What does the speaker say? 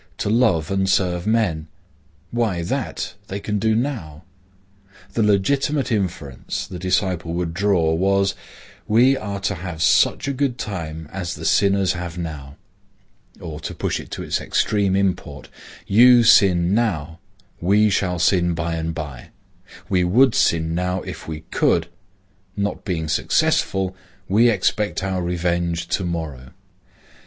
to love and serve men? Why, that they can do now. The legitimate inference the disciple would draw was,—'We are to have such a good time as the sinners have now';—or, to push it to its extreme import,—'You sin now; we shall sin by and by; we would sin now, if we could; not being successful, we expect our revenge to morrow.